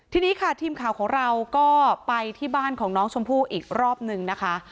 ทีนี้ค่ะทีมข่าวของเราก็ไปที่บ้านของน้องชมพู่อีกรอบนึงนะคะ